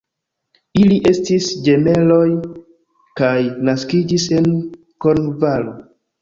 Ili estis ĝemeloj kaj naskiĝis en Kornvalo.